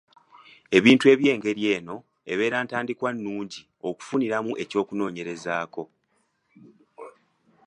Ebintu eby’engeri eno, ebeera ntandikwa nungi okufuniramu ekyokunoonyerezaako.